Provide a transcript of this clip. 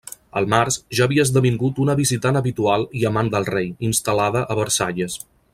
Al març, ja havia esdevingut una visitant habitual i amant del rei, instal·lada a Versalles.